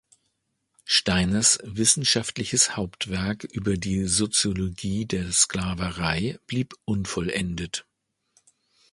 Steiners wissenschaftliches Hauptwerk über die Soziologie der Sklaverei blieb unvollendet.